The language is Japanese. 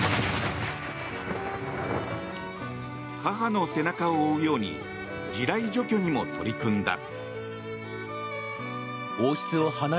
母の背中を追うように地雷除去にも取り組んだ。